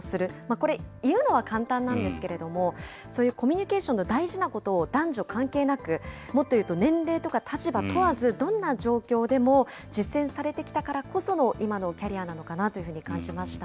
これ、言うのは簡単なんですけれども、そういうコミュニケーションの大事なことを男女関係なく、もっと言うと、年齢とか立場問わず、どんな状況でも実践されてきたからこその今のキャリアなのかなと感じました